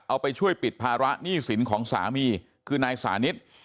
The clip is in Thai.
เอาไปช่วยปิดภาระหนี้สินของสามีคือนายสานิท